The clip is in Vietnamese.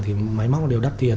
thì máy móc đều đắt tiền